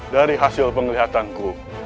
dari hasil penglihatanku